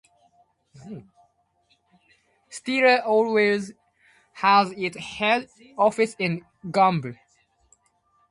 Stellar Airways has its head office in Gombe.